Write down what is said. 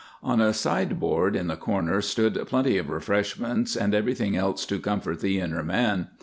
On a sideboard in the corner stood plenty of refreshments and everything else to comfort the inner man.